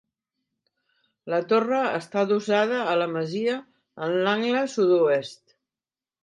La torre està adossada a la masia en l'angle sud-oest.